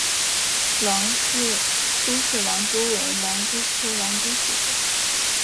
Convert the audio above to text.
苏氏狼蛛为狼蛛科狼蛛属的动物。